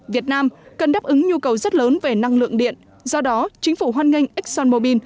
việt nam cần đáp ứng nhu cầu rất lớn về năng lượng điện do đó chính phủ hoan nghênh exxonmobil